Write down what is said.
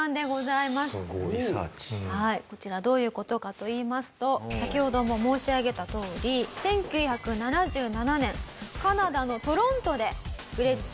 こちらどういう事かといいますと先ほども申し上げたとおり１９７７年カナダのトロントでグレッチが盗まれてしまいます。